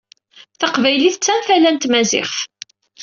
Taqbaylit d tantala n tmaziɣt.